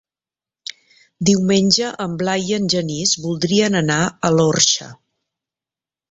Diumenge en Blai i en Genís voldrien anar a l'Orxa.